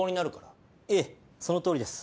ええそのとおりです。